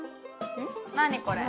何これ？